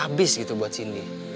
abis gitu buat cindy